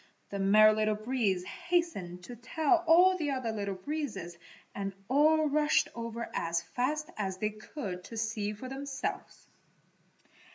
The Merry Little Breeze hastened to tell all the other Little Breezes and all rushed over as fast as they could to see for themselves.